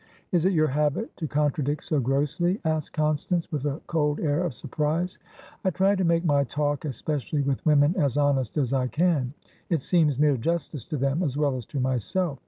"Is it your habit to contradict so grossly?" asked Constance, with a cold air of surprise. "I try to make my talkespecially with women as honest as I can. It seems mere justice to them, as well as to myself.